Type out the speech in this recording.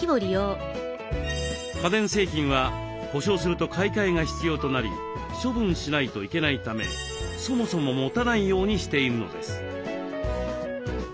家電製品は故障すると買い替えが必要となり処分しないといけないためそもそも持たないようにしているのです。